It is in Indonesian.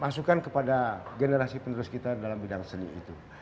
masukan kepada generasi penerus kita dalam bidang seni itu